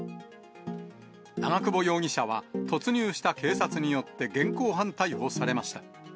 長久保容疑者は、突入した警察によって現行犯逮捕されました。